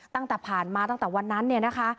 ตั้งแต่ผ่านมาตั้งแต่วันนั้นเนี่ยนะคะ